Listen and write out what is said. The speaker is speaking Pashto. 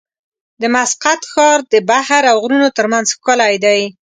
د مسقط ښار د بحر او غرونو ترمنځ ښکلی دی.